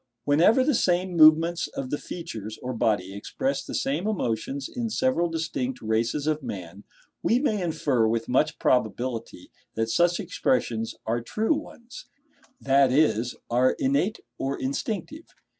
Whenever the same movements of the features or body express the same emotions in several distinct races of man, we may infer with much probability, that such expressions are true ones,—that is, are innate or instinctive.